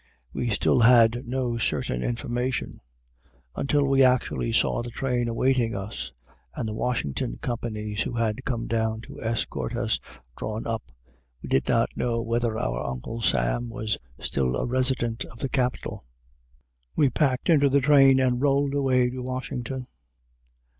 We still had no certain information. Until we actually saw the train awaiting us, and the Washington companies, who had come down to escort us, drawn up, we did not know whether our Uncle Sam was still a resident of the capital. We packed into the train, and rolled away to Washington.